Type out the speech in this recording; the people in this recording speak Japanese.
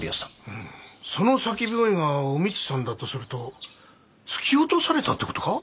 うんその叫び声がお美津さんだとすると突き落とされたって事か？